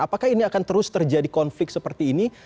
apakah ini akan terus terjadi konflik seperti ini